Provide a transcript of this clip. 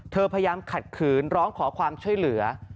พยายามขัดขืนร้องขอความช่วยเหลือ